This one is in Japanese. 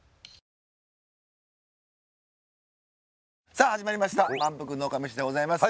さあ始まりました「まんぷく農家メシ！」でございます。